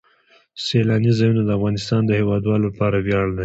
سیلانی ځایونه د افغانستان د هیوادوالو لپاره ویاړ دی.